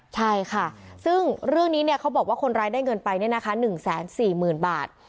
ใช่ค่ะซึ่งเรื่องนี้เนี่ยเขาบอกว่าคนร้ายได้เงินไปเนี่ยนะคะ๑๔๐๐๐๐บาท